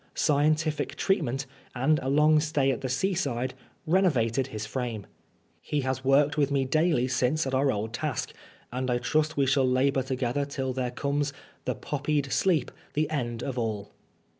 Scientific treatment, and a long stay at the seaside, renovated his frame. He has worked with me daily since at our old task, and I trust we shall labor together till there comes " The poppied sleep, the end of all."